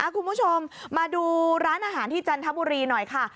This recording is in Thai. คุณผู้ชมมาดูร้านอาหารที่จันทบุรีหน่อยค่ะ